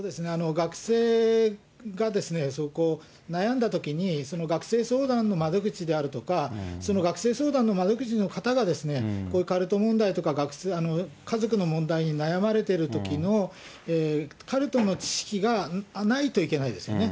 学生が悩んだときに、学生相談の窓口であるとか、その学生相談の窓口の方が、こういうカルト問題とか、家族の問題に悩まれてるときの、カルトの知識がないといけないですね。